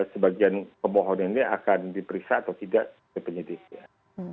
sebagian pembohonannya akan diperiksa atau tidak ke penyelidiknya